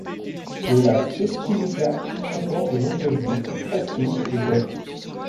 Le lac Soscumica comporte de nombreuses îles, presqu’îles et baies.